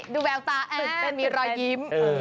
ดูแววตามีรอยยิ้ม